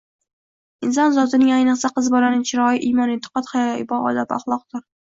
Inson zotining, ayniqsa, qiz bolaning chiroyi imon-e’tiqod, hayo-ibo, odob-axloqdir.